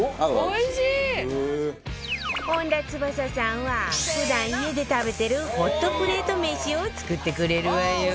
本田翼さんは普段家で食べてるホットプレート飯を作ってくれるわよ